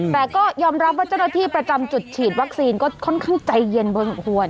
แต่ก็ยอมรับว่าเจ้าหน้าที่ประจำจุดฉีดวัคซีนก็ค่อนข้างใจเย็นพอสมควร